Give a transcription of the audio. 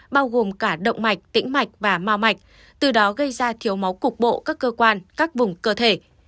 bao gồm cả động mạch tĩnh mạch và mau mạch từ đó gây ra thiếu máu cục bộ các cơ quan các vùng cơ thể